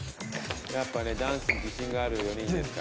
やっぱねダンスに自信がある４人ですから。